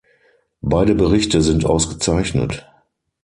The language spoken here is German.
Beide Berichte sind ausgezeichnet.